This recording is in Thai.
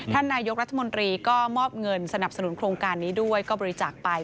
ท่านนายกรัฐมนตรีก็มอบเงินสนับสนุนโครงการนี้ด้วยก็บริจาคไป